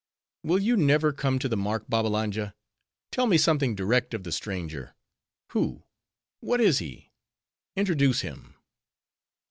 "Will you never come to the mark, Babbalanja? Tell me something direct of the stranger. Who, what is he? Introduce him."